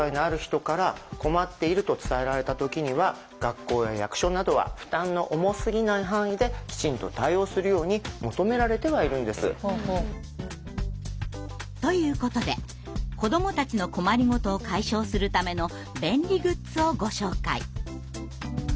学校や役所などは負担の重すぎない範囲できちんと対応するように求められてはいるんです。ということで子どもたちの困り事を解消するための便利グッズをご紹介。